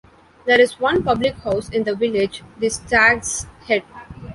There is one public house in the village, the Stags Head.